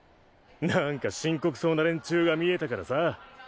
なんか深刻そうな連中が見えたからさ。